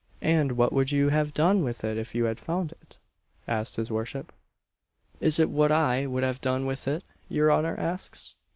"And what would you have done with it if you had found it?" asked his worship. "Is it what I would have done with it, your honour asks?"